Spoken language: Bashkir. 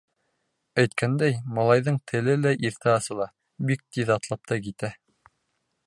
Әйткәндәй, малайҙың теле лә иртә асыла, бик тиҙ атлап та китә.